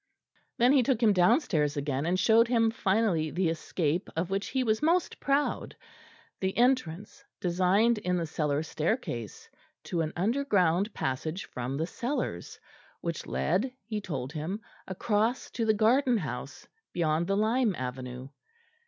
Then he took him downstairs again and showed him finally the escape of which he was most proud the entrance, designed in the cellar staircase, to an underground passage from the cellars, which led, he told him, across to the garden house beyond the lime avenue.